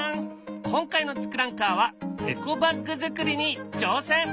今回の「ツクランカー」はエコバッグ作りに挑戦。